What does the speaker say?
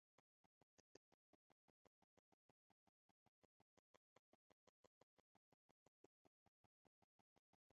পরিবারের সকলে মিলে কাজ করত।